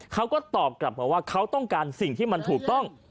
เขาก็ตอบกลับมาว่าเขาต้องการสิ่งที่มันถูกต้อง